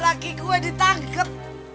laki gue ditangkep